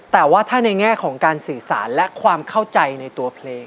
แต่ว่าถ้าในแง่ของการสื่อสารและความเข้าใจในตัวเพลง